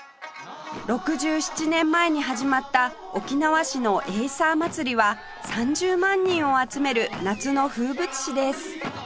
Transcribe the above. ６７年前に始まった沖縄市のエイサーまつりは３０万人を集める夏の風物詩です